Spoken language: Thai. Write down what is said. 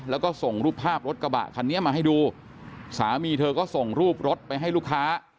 แล้วก็ส่งรูปภาพรถกระบะคันนี้มาให้ดูสามีเธอก็ส่งรูปรถไปให้ลูกค้า